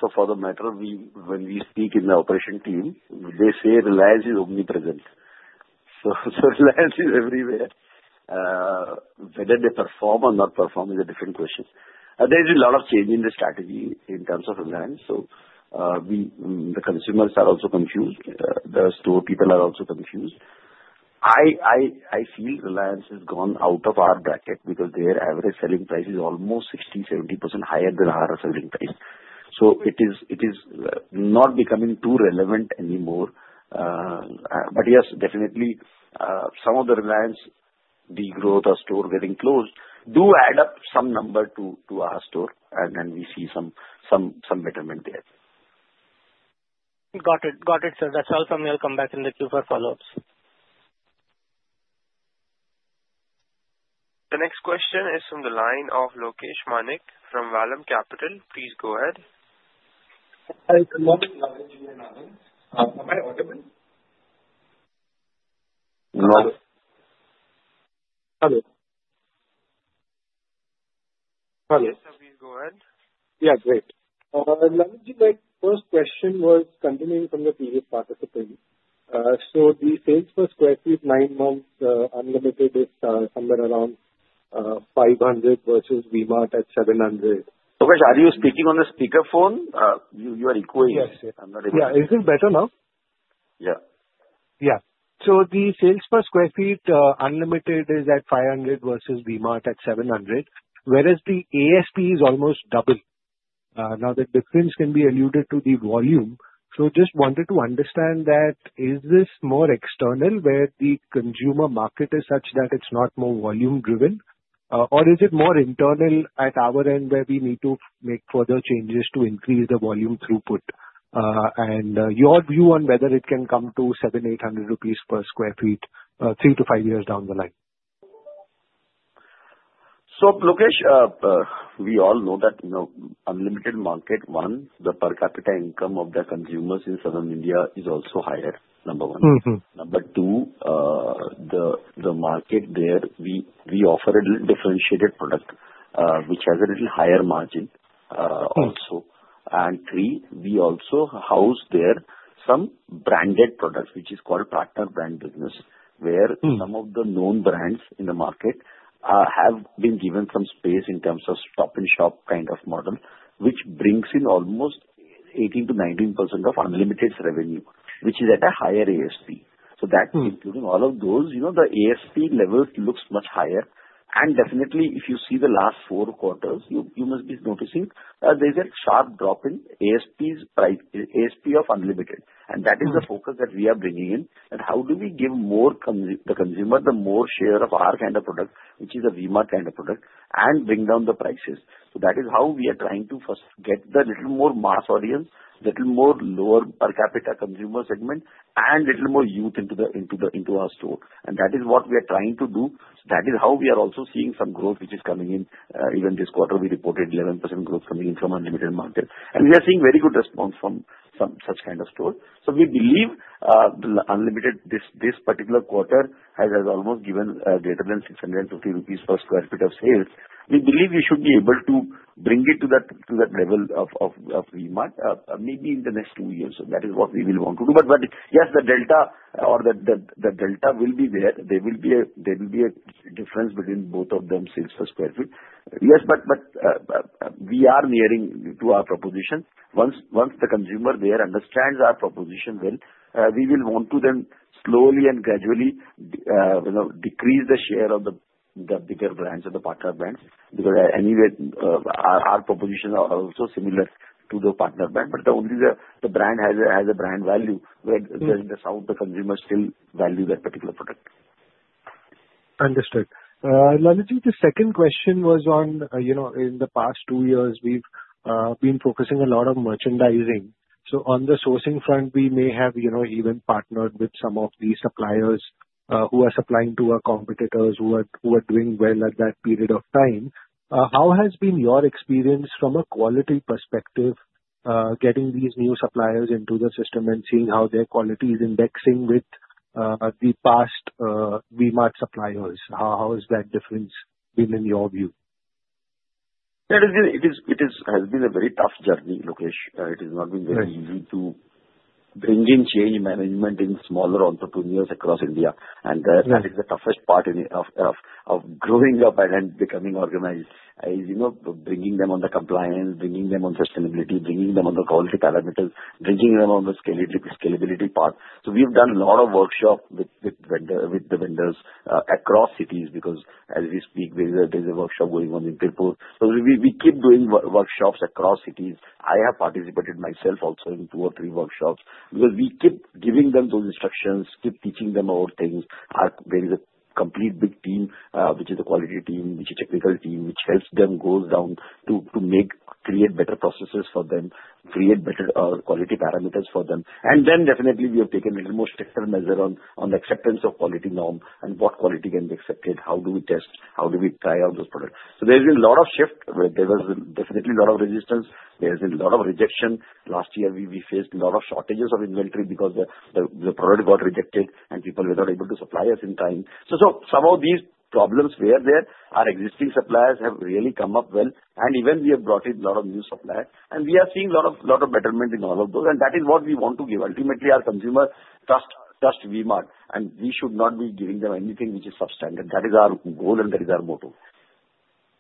So for the matter, we, when we speak in the operation team, they say Reliance is omnipresent. So Reliance is everywhere. Whether they perform or not perform is a different question. There's been a lot of change in the strategy in terms of Reliance. So, we, the consumers are also confused. The store people are also confused. I feel Reliance has gone out of our bracket because their average selling price is almost 60%-70% higher than our selling price. So it is not becoming too relevant anymore. But yes, definitely, some of the Reliance degrowth or store getting closed do add up some number to our store, and then we see some betterment there. Got it. Got it, sir. That's all from me. I'll come back in the queue for follow-ups. The next question is from the line of Lokesh Manik from Vallum Capital, please go ahead. Hi, good morning. Hello. Yes, please go ahead. Yeah, great. Lalitji, my first question was continuing from the previous participant. So the sales per square feet nine months Unlimited is somewhere around 500 versus V-Mart at 700. Lokesh, are you speaking on the speakerphone? You, you are echoing. Yeah. Is it better now? Yeah. Yeah. So the sales per square feet, Unlimited is at 500 versus V-Mart at 700, whereas the ASP is almost double. Now the difference can be attributed to the volume. So just wanted to understand that is this more external where the consumer market is such that it's not more volume-driven or is it more internal at our end where we need to make further changes to increase the volume throughput and your view on whether it can come to 700 rupees, 800 rupees per square feet, three to five years down the line? So, Lokesh, we all know that, you know, Unlimited market, one, the per capita income of the consumers in South India is also higher, number one. Mm-hmm. Number two, the market there, we offer a little differentiated product, which has a little higher margin, also. And three, we also house there some branded products, which is called partner brand business, where some of the known brands in the market have been given some space in terms of stop and shop kind of model, which brings in almost 18%-19% of Unlimited revenue, which is at a higher ASP. So that including all of those, you know, the ASP level looks much higher. And definitely, if you see the last four quarters, you must be noticing that there's a sharp drop in ASP's price, ASP of Unlimited and that is the focus that we are bringing in, that how do we give more consumers the more share of our kind of product, which is a V-Mart kind of product, and bring down the prices. That is how we are trying to first get the little more mass audience, little more lower per capita consumer segment, and little more youth into our store and that is what we are trying to do. That is how we are also seeing some growth, which is coming in. Even this quarter, we reported 11% growth coming in from Unlimited market and we are seeing very good response from some such kind of store. We believe the Unlimited this particular quarter has almost given greater than 650 rupees per square feet of sales. We believe we should be able to bring it to that level of V-Mart, maybe in the next two years. That is what we will want to do. But yes, the delta or the delta will be there. There will be a difference between both of them, sales per square foot. Yes, but we are nearing to our proposition. Once the consumer there understands our proposition well, we will want to then slowly and gradually, you know, decrease the share of the bigger brands or the partner brands because anyway, our propositions are also similar to the partner brand but only the brand has a brand value where the South consumer still values that particular product. Understood. Lalitji, the second question was on, you know, in the past two years, we've been focusing a lot on merchandising. So on the sourcing front, we may have, you know, even partnered with some of these suppliers, who are supplying to our competitors who are doing well at that period of time. How has been your experience from a quality perspective, getting these new suppliers into the system and seeing how their quality is indexing with the past V-Mart suppliers? How has that difference been in your view? That is, it has been a very tough journey, Lokesh. It has not been very easy to bring in change management in smaller entrepreneurs across India and that is the toughest part of growing up and then becoming organized, you know, bringing them on the compliance, bringing them on sustainability, bringing them on the quality parameters, bringing them on the scalability part. So we've done a lot of workshops with the vendors across cities because as we speak, there is a workshop going on in Tirupur. So we keep doing workshops across cities. I have participated myself also in two or three workshops because we keep giving them those instructions, keep teaching them about things. There is a complete big team, which is the quality team, which is technical team, which helps them go down to make, create better processes for them, create better quality parameters for them and then definitely we have taken a little more stricter measure on the acceptance of quality norm and what quality can be accepted, how do we test, how do we try out those products. So there's been a lot of shift, there was definitely a lot of resistance. There's been a lot of rejection. Last year, we faced a lot of shortages of inventory because the product got rejected and people were not able to supply us in time. So some of these problems were there. Our existing suppliers have really come up well, and even we have brought in a lot of new suppliers and we are seeing a lot of betterment in all of those and that is what we want to give. Ultimately, our consumer trusts V-Mart and we should not be giving them anything which is substandard. That is our goal, and that is our motto.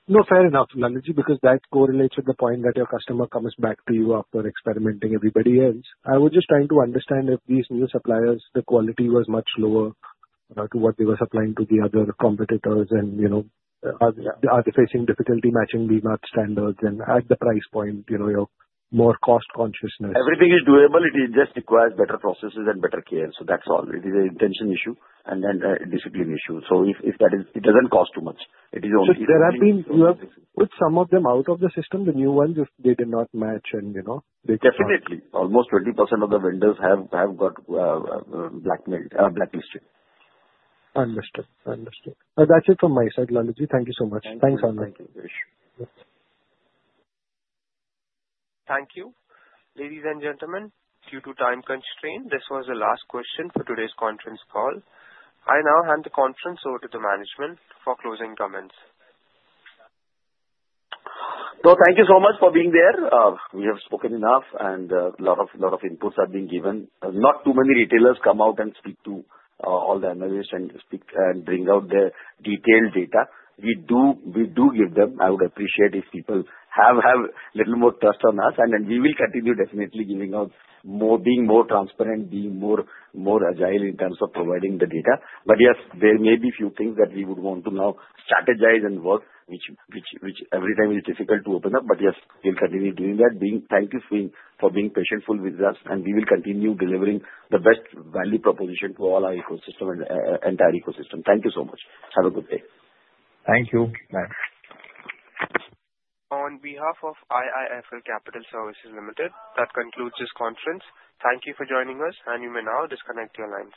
No, fair enough, Lalitji, because that correlates with the point that your customer comes back to you after experimenting everybody else. I was just trying to understand if these new suppliers, the quality was much lower, to what they were supplying to the other competitors and, you know, are they, are they facing difficulty matching V-Mart standards and at the price point, you know, your more cost consciousness? Everything is doable. It just requires better processes and better care. So that's all. It is an intention issue and then a discipline issue. So if, if that is, it doesn't cost too much. It is only. If there have been, you have put some of them out of the system, the new ones if they did not match, and you know, they could. Definitely. Almost 20% of the vendors have got blacklisted. Understood. Understood. That's it from my side, Lalitji. Thank you so much. Thank you, Lokesh. Thank you. Ladies and gentlemen, due to time constraint, this was the last question for today's conference call. I now hand the conference over to the management for closing comments. No, thank you so much for being there. We have spoken enough and a lot of inputs have been given. Not too many retailers come out and speak to, all the analysts and speak and bring out their detailed data. We do, we do give them. I would appreciate if people have, have a little more trust on us and then we will continue definitely giving out more, being more transparent, being more, more agile in terms of providing the data. But yes, there may be a few things that we would want to now strategize and work which every time is difficult to open up. But yes, we'll continue doing that. Thank you for being patient with us, and we will continue delivering the best value proposition to all our ecosystem and, entire ecosystem. Thank you so much. Have a good day. Thank you. Bye. On behalf of IIFL Capital Services Limited, that concludes this conference. Thank you for joining us, and you may now disconnect your lines.